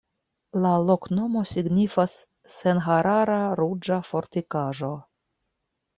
La loknomo signifas: senharara-ruĝa-fortikaĵo.